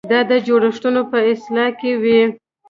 دا د جوړښتونو په اصلاح کې وي.